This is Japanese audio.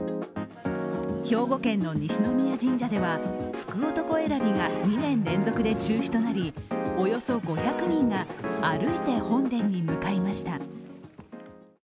兵庫県の西宮神社では、福男選びが２年連続で中止となりおよそ５００人が歩いて本殿に向かいました。